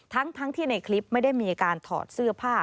ทั้งที่ในคลิปไม่ได้มีการถอดเสื้อผ้า